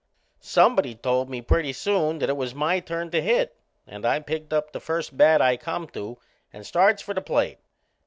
Somebody told me pretty soon that it was my turn to hit and I picked up the first bat I come to and starts for the plate.